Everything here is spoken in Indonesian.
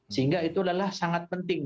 sehingga itu adalah sangat penting